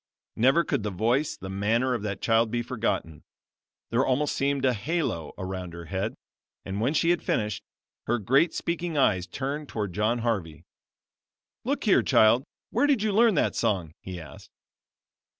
Never could the voice, the manner, of that child be forgotten. There almost seemed a halo around her head; and when she had finished, her great speaking eyes turned toward John Harvey. "Look here, child; where did you learn that song?" he asked.